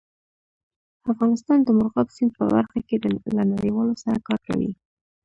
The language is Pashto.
افغانستان د مورغاب سیند په برخه کې له نړیوالو سره کار کوي.